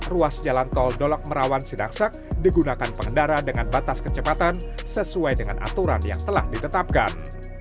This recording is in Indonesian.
ruas jalan tol dolok merawan sidaksak digunakan pengendara dengan batas kecepatan sesuai dengan aturan yang telah ditetapkan